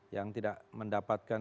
yang tidak mendapatkan